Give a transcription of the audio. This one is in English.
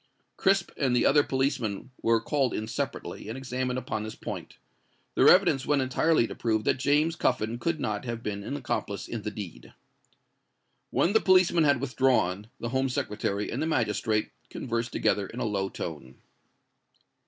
Crisp and the other policeman were called in separately, and examined upon this point. Their evidence went entirely to prove that James Cuffin could not have been an accomplice in the deed. When the policemen had withdrawn, the Home Secretary and the magistrate conversed together in a low tone.